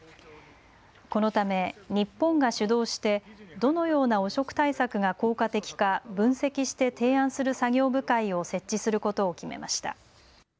このため日本が主導してどのような汚職対策が効果的か分析して提案する作業部会を設置することを決めました。